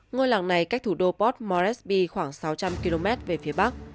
ngôi làng này cách thủ đô port moresby khoảng sáu trăm linh km về phía bắc